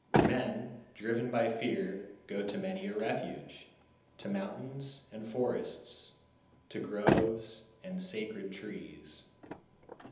188. Men, driven by fear, go to many a refuge, to mountains and forests, to groves and sacred trees.